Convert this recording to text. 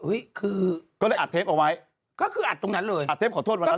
คือก็เลยอัดเทปเอาไว้ก็คืออัดตรงนั้นเลยอัดเทปขอโทษวันนั้น